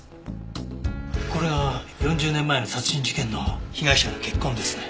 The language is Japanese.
これが４０年前の殺人事件の被害者の血痕ですね。